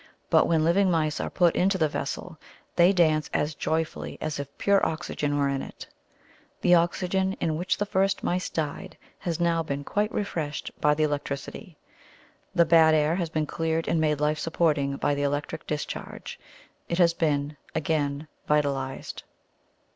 But, when living mice are put into the vessel, they dance as joyfully as if pure oxygen were in it. The oxygen in which the first mice died has now been quite refreshed by the electricity. The bad air has been cleared and made life supporting by the electric discharge. It has been again vitalised.